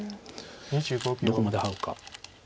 どこまでハウか。